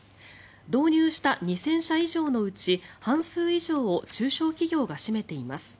導入した２０００社以上のうち半数以上を中小企業が占めています。